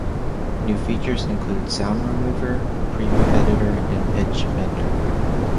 New features include sound remover, preview editor and pitch bender.